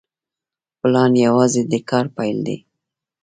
پلان یوازې د کار پیل دی